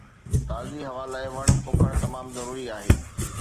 تازي هوا لاءِ وڻ پوکڻ تمام ضروري آهي.